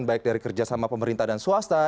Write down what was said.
baik dari kerja sama pemerintah dan swasta